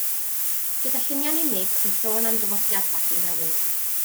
Gyda lluniau'n unig, yn sôn am ddyfodiad babi newydd.